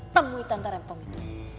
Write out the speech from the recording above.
temui tante rempong itu